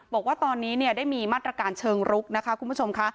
บอกว่าตอนนี้ได้มีมาตรการเชิงรุกนะคะคุณผู้ชมค่ะ